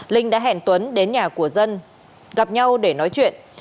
linh đã hẹn tuấn đến nhà của dân gặp nhau để nói chuyện